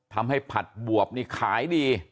ทำให้ผัดบวบนี่ขายดี